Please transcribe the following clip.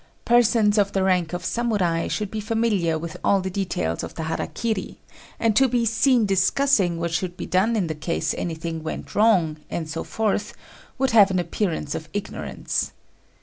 Persons of the rank of Samurai should be familiar with all the details of the hara kiri; and to be seen discussing what should be done in case anything went wrong, and so forth, would have an appearance of ignorance.